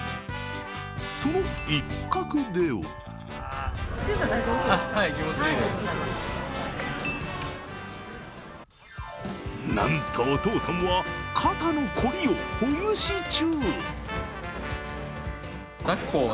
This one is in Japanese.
その一角ではなんとお父さんは肩の凝りをほぐし中。